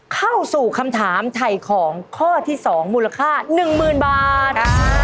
เข้าสู่คำถามไถ่ของข้อที่๒มูลค่า๑๐๐๐บาท